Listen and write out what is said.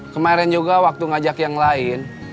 kemarin juga waktu ngajak yang lain